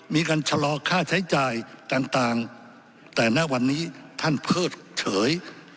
มีการชะลอค่าใช้จ่ายต่างแต่ณวันนี้ท่านเพิกเฉย